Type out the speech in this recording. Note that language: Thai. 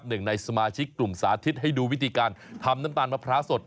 หนึ่งในสมาชิกกลุ่มสาธิตให้ดูวิธีการทำน้ำตาลมะพร้าวสด